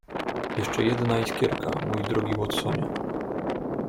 "Jeszcze jedna iskierka, mój drogi Watsonie."